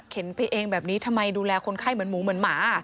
ไปเองแบบนี้ทำไมดูแลคนไข้เหมือนหมูเหมือนหมา